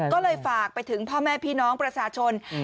ก็เลยฝากไปถึงพ่อแม่พี่น้องประชาชน